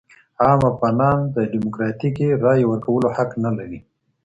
عام افغانان د ډیموکراتیکي رایې ورکولو حق نه لري.